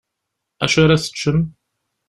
Acu ara teččem?